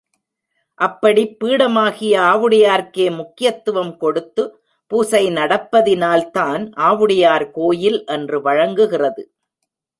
அப்படிப் பீடமாகிய ஆவுடையார்க்கே முக்கியத்துவம் கொடுத்து, பூசை நடப்பதினால் தான் ஆவுடையார் கோயில் என்று வழங்குகிறது.